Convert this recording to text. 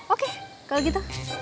oke kalau gitu